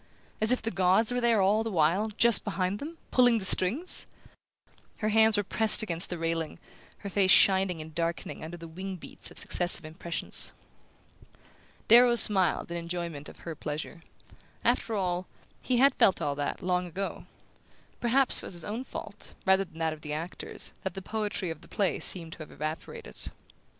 _...As if the gods were there all the while, just behind them, pulling the strings?" Her hands were pressed against the railing, her face shining and darkening under the wing beats of successive impressions. Darrow smiled in enjoyment of her pleasure. After all, he had felt all that, long ago; perhaps it was his own fault, rather than that of the actors, that the poetry of the play seemed to have evaporated...